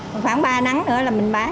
khoảng ba nắng nữa là mình bán